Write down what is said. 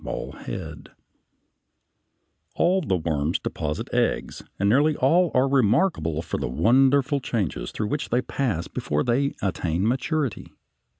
] All the worms deposit eggs, and nearly all are remarkable for the wonderful changes through which they pass before they attain maturity.